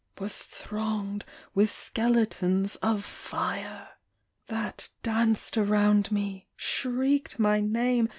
Was thronged with skeletons of fire ! That danced around me, shrieked my name.